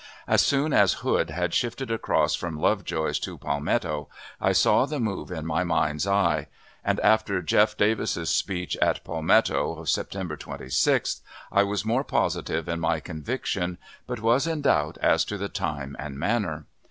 As soon as Hood had shifted across from Lovejoy's to Palmetto, I saw the move in my "mind's eye;" and, after Jeff. Davis's speech at Palmetto, of September 26th, I was more positive in my conviction, but was in doubt as to the time and manner.